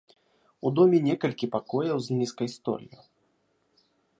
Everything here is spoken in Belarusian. У доме некалькі пакояў з нізкаю столлю.